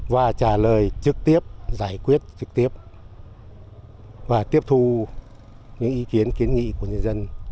và trả lời trực tiếp giải quyết trực tiếp và tiếp thu những ý kiến kiến nghị của nhân dân